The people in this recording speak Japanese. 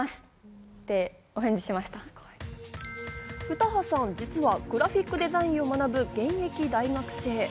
詩羽さん、実はグラフィックデザインを学ぶ現役大学生。